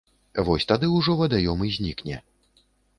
Вось тады ўжо вадаём і знікне.